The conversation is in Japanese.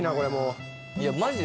いやマジで。